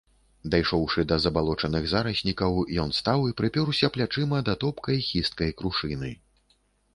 Дайшоўшы да забалочаных зараснікаў, ён стаў і прыпёрся плячыма да топкай хісткай крушыны.